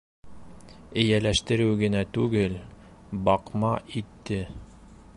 Эйәләштереү генә түгел, баҡма итте!